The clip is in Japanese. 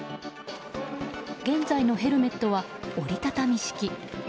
現在のヘルメットは、折り畳み式。